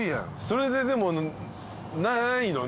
それででもないの？